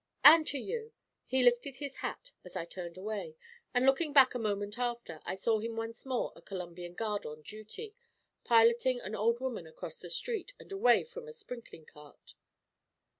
'And to you.' He lifted his hat as I turned away, and looking back a moment after, I saw him once more a Columbian Guard on duty, piloting an old woman across the street and away from a sprinkling cart.